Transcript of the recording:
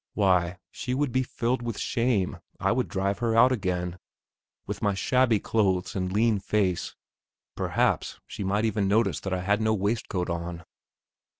Why, she would be filled with shame; I would drive her out again, with my shabby clothes, and lean face; perhaps she might even notice that I had no waistcoat on....